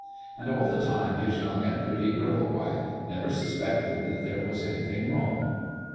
And all the time his young and pretty girl wife never suspected that there was anything wrong.